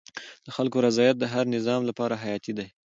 د خلکو رضایت د هر نظام لپاره حیاتي دی